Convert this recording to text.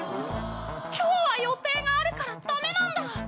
今日は予定があるからダメなんだ。